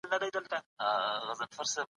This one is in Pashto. که اړتیا محسوسه نسي څېړنه ګټه نه رسوي.